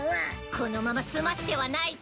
このまま済ます手はないぞ。